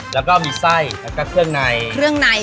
แล้วก็มีไส้แล้วก็เครื่องใน